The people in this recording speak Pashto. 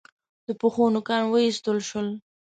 د پښو نوکان و ایستل شول.